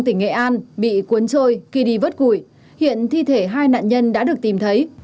tỉnh nghệ an bị cuốn trôi khi đi vớt củi hiện thi thể hai nạn nhân đã được tìm thấy